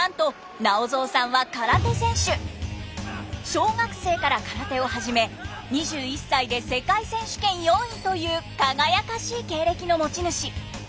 小学生から空手を始め２１歳で世界選手権４位という輝かしい経歴の持ち主。